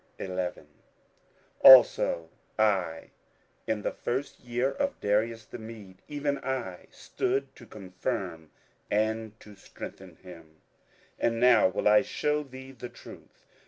27:011:001 Also I in the first year of Darius the Mede, even I, stood to confirm and to strengthen him. 27:011:002 And now will I shew thee the truth.